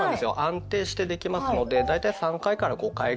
安定してできますのでだいたい３５回ぐらい。